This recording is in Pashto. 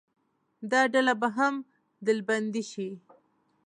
دا ډله به هم ډلبندي شي.